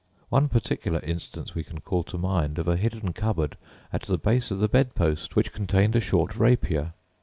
One particular instance we can call to mind of a hidden cupboard at the base of the bedpost which contained a short rapier.